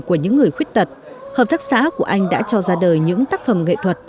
của những người khuyết tật hợp tác xã của anh đã cho ra đời những tác phẩm nghệ thuật